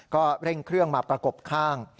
ก็เร่งเครื่องมาประกบข้าง